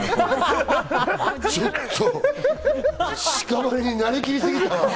ちょっとしかばねになり切りすぎたわ。